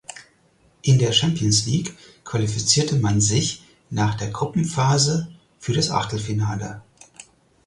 In der Champions League qualifizierte man sich nach der Gruppenphase für das Achtelfinale.